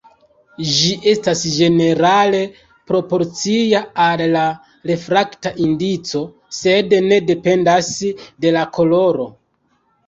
Ĝi estas ĝenerale proporcia al la refrakta indico, sed ne dependas de la koloro.